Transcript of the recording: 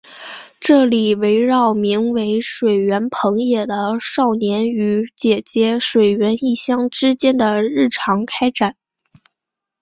这是围绕名为水原朋也的少年与姐姐水原一香之间的日常展开。